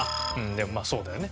でもまあそうだよね